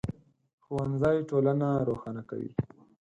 ښوونځی ټولنه روښانه کوي